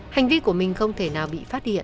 hành vi của mình không thể nào bị phát hiện